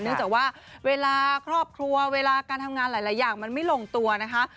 เนื่องจากว่าเวลาครอบครัวเวลาการทำงานหลายอย่างมันไม่ลงตัวนะคะ